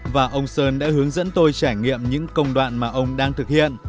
và ông sơn đã hướng dẫn tôi trải nghiệm những công đoạn mà ông đang thực hiện